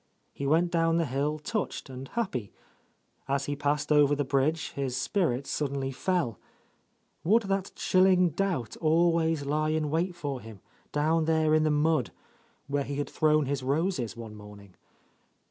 He went down the hill touched and happy. As he passed over the bridge his spirits suddenly fell. Would that chilling doubt always lie in wait for him, down there in the mud, where he had thrown his roses one morning?